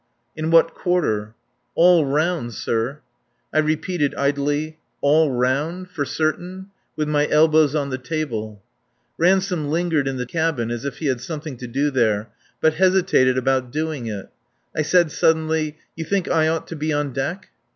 "In what quarter?" "All round, sir." I repeated idly: "All round. For certain," with my elbows on the table. Ransome lingered in the cabin as if he had something to do there, but hesitated about doing it. I said suddenly: "You think I ought to be on deck?"